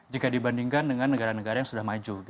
jika dibandingkan dengan negara negara yang sudah maju